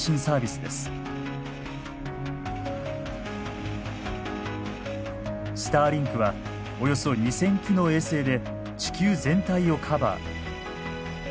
スターリンクはおよそ２，０００基の衛星で地球全体をカバー。